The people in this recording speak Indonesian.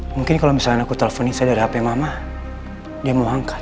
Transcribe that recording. mungkin kalau misalnya aku teleponin saya ada hp mama dia mau angkat